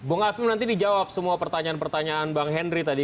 bung hafim nanti dijawab semua pertanyaan pertanyaan bang henry tadi